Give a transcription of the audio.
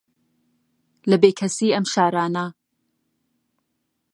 لە بێکەسی ئەم شارانە